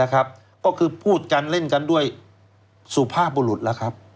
ก็คือพูดกันเล่นกันด้วยสุภาพบุรุษแล้วครับ